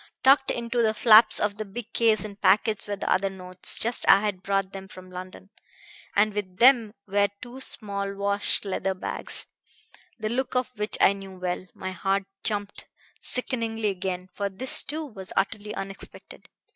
"Tucked into the flaps of the big case in packets were the other notes, just as I had brought them from London. And with them were two small wash leather bags, the look of which I knew well. My heart jumped sickeningly again, for this too was utterly unexpected.